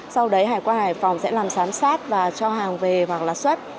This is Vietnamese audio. sau đấy hải quan hải phòng sẽ làm giám sát và cho hàng về hoặc là xuất